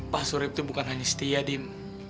pak surip itu bukan hanya setia dim